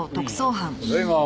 ただいま。